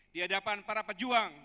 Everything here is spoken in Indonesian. di hadapan para pejuang